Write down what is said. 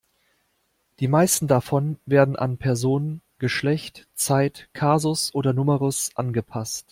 Die meisten davon werden an Person, Geschlecht, Zeit, Kasus oder Numerus angepasst.